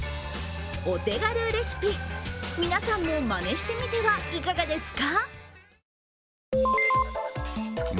お手軽レシピ、皆さんもまねしてみてはいかがですか。